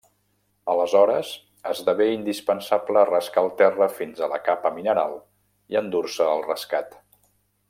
Aleshores esdevé indispensable rascar el terra fins a la capa mineral i endur-se el rascat.